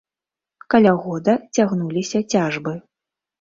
Каля года цягнуліся цяжбы.